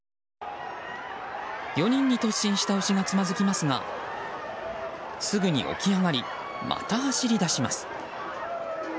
４人に突進した牛がつまずきますがすぐに起き上がりまた走り出します。